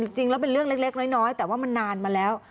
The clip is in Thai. จริงแล้วเป็นเรื่องเล็กน้อยแต่ว่ามันนานมาแล้ว